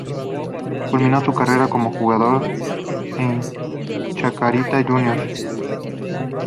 Culminó su carrera como jugador en Chacarita Juniors.